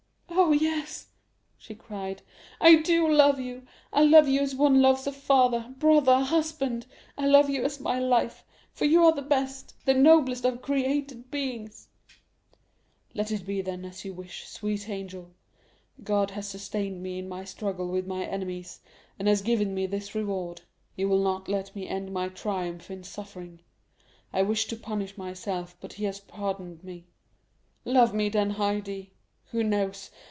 "Oh, yes," she cried, "I do love you! I love you as one loves a father, brother, husband! I love you as my life, for you are the best, the noblest of created beings!" 50277m "Let it be, then, as you wish, sweet angel; God has sustained me in my struggle with my enemies, and has given me this reward; he will not let me end my triumph in suffering; I wished to punish myself, but he has pardoned me. Love me then, Haydée! Who knows?